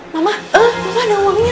mamah mamah ada uangnya